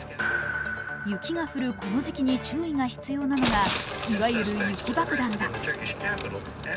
雪が降るこの時期に注意が必要なのが、いわゆる雪爆弾だ。